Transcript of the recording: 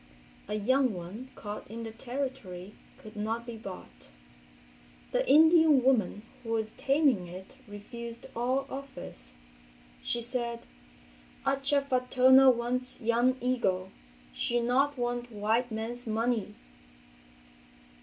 A young one caught in the Territory could not be bought. The Indian woman who was taming it refused all offers. She said, "Ah cha fa tona wants young eagle, she not want white man's money!"